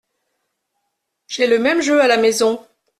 J’ai le même jeu à la maison.